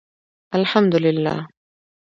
الحمدالله